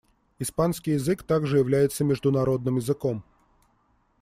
Испанский язык также является международным языком.